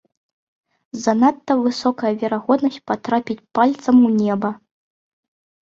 Занадта высокая верагоднасць патрапіць пальцам у неба.